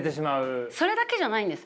それだけじゃないんです。